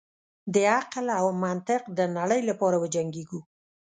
د عقل او منطق د نړۍ لپاره وجنګیږو.